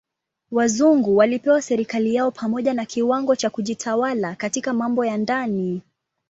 Wazungu walipewa serikali yao pamoja na kiwango cha kujitawala katika mambo ya ndani.